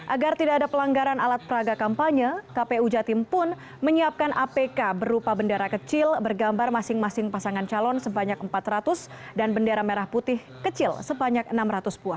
agar tidak ada pelanggaran alat peraga kampanye kpu jatim pun menyiapkan apk berupa bendera kecil bergambar masing masing pasangan calon sebanyak empat ratus dan bendera merah putih kecil sebanyak enam ratus buah